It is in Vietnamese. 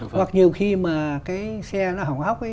hoặc nhiều khi mà cái xe nó hỏng hóc ấy